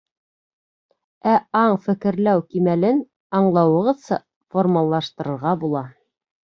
Ә аң-фекерләү кимәлен, аңлауығыҙса, формалаштырырға була.